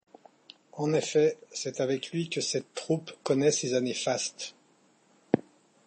En effet, c'est avec lui que cette troupe connaît ses années fastes.